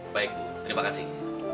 baik terima kasih